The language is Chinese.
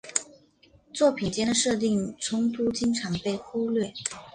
作品间的设定冲突经常被忽略。